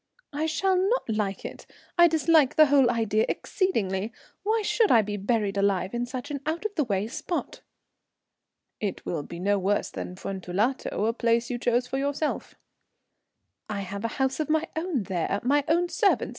"I shall not like it. I dislike the whole idea exceedingly. Why should I be buried alive in such an out of the way spot?" "It will be no worse than Fuentellato, a place you chose for yourself." "I have a house of my own there my own servants.